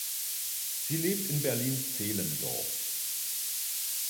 Sie lebt in Berlin-Zehlendorf.